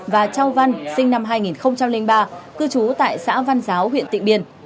và châu văn sinh năm hai nghìn ba cư chú tại xã văn giáo huyện tỉnh biên